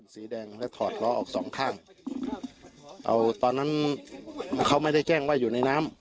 สีแดงและถอดล้อออกสองข้างเอาตอนนั้นเขาไม่ได้แจ้งว่าอยู่ในน้ำ